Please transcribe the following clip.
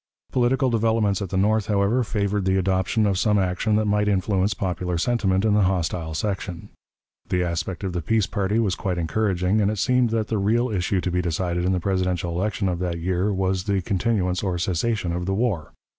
Political developments at the North, however, favored the adoption of some action that might influence popular sentiment in the hostile section. The aspect of the peace party was quite encouraging, and it seemed that the real issue to be decided in the Presidential election of that year, was the continuance or cessation of the war.